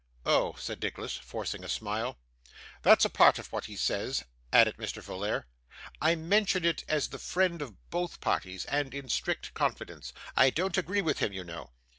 'Oh!' said Nicholas, forcing a smile. 'That's a part of what he says,' added Mr. Folair. 'I mention it as the friend of both parties, and in strict confidence. I don't agree with him, you know.